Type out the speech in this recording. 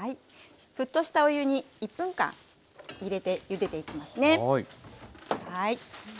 沸騰したお湯に１分間入れてゆでていきますね。